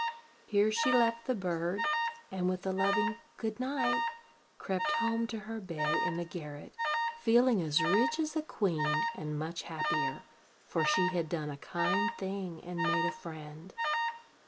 Here she left the bird, and, with a loving "Good night," crept home to her bed in the garret, feeling as rich as a queen, and much happier; for she had done a kind thing, and made a friend.